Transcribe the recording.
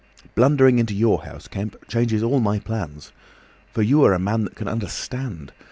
"Blundering into your house, Kemp," he said, "changes all my plans. For you are a man that can understand.